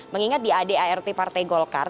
mengingat di adart partai golkar